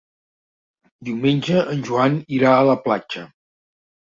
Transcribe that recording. Diumenge en Joan irà a la platja.